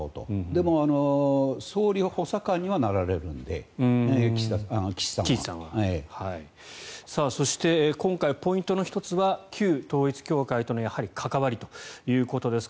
でも総理補佐官にはなられるので岸さんは。そして、今回ポイントの１つは旧統一教会との関わりということです。